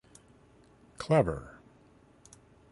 Clever.